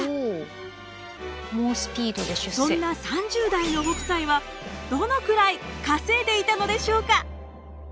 そんな３０代の北斎はどのくらい稼いでいたのでしょうか？